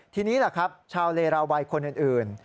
ทีนี้แหละครับชาวเลราวัยคนอื่น